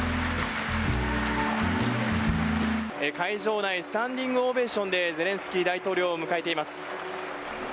会場内、スタンディングオベーションでゼレンスキー大統領を迎えています。